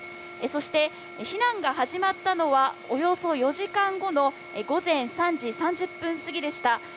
そして避難が始まったのは、およそ４時間後の午前３時３０分過ぎでした。